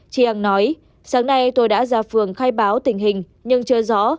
chị anh nói sáng nay tôi đã ra phường khai báo tình hình nhưng chưa rõ